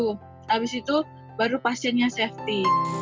habis itu baru pasiennya safety